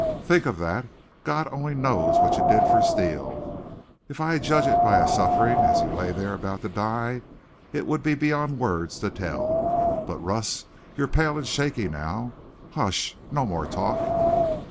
Think of that! God only knows what you did for Steele. If I judged it by his suffering as you lay there about to die it would be beyond words to tell. But, Russ, you're pale and shaky now. Hush! No more talk!"